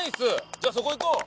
じゃあそこ行こう。